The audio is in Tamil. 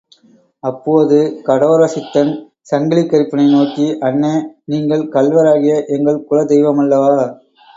அப்போது கடோர சித்தன் சங்கிலிக்கறுப்பனை நோக்கி, அண்ணே நீங்கள் கள்வராகிய எங்கள் குலதெய்வமல்லவா?